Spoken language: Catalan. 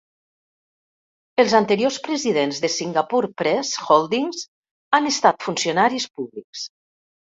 Els anteriors presidents de Singapore Press Holdings han estat funcionaris públics.